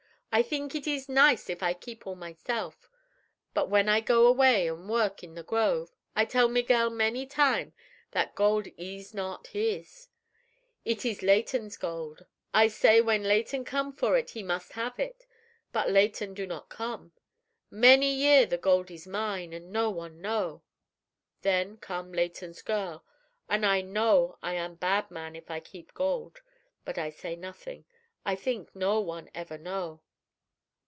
I theenk it ees nice if I keep all myself. But when I go away an' work in the grove, I tell Miguel many time that gold ees not his; it ees Leighton's gold. I say when Leighton come for it he mus' have it. But Leighton do not come. Many year the gold ees mine, an' no one know. Then come Leighton's girl, an' I know I am bad man if I keep gold. But I say nothing. I theenk no one ever know."